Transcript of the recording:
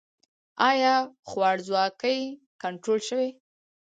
آیا خوارځواکي کنټرول شوې؟